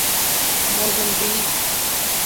Mozambique